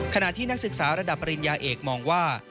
ขณะที่นักศึกษาระดับปริญญาเอกมองว่า